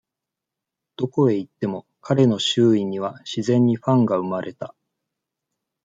どこへ行っても、彼の周囲には、自然にファンが生まれた。